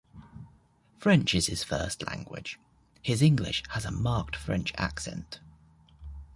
French is his first language; his English has a marked French accent.